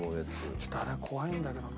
ちょっとあれ怖いんだけどな。